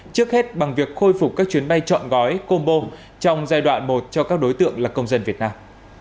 trước hết bằng việc khôi phục các chuyến bay chọn gói combo trong giai đoạn một cho các đối tượng là công dân việt nam